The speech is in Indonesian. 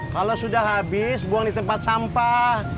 kalau sudah habis buang di tempat sampah